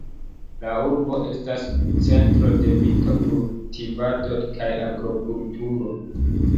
La urbo estas centro de vito-kultivado kaj agrokulturo.